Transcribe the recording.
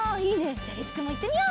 じゃありつくんもいってみよう！